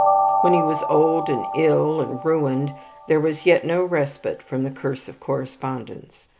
When he was old, and ill, and ruined, there was yet no respite from the curse of correspondents.